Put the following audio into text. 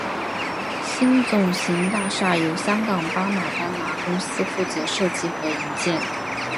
新总行大厦由香港巴马丹拿公司负责设计和营建。